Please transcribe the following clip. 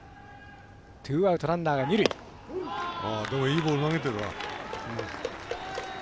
いいボール投げてるわ。